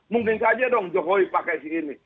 mungkin saja dong jokowi pakai si ini